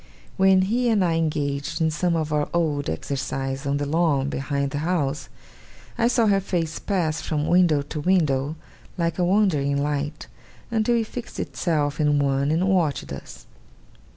When he and I engaged in some of our old exercises on the lawn behind the house, I saw her face pass from window to window, like a wandering light, until it fixed itself in one, and watched us.